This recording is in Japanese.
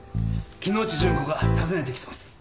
木之内順子が訪ねてきてます。